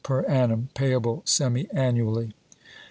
per annum, payable semi annually.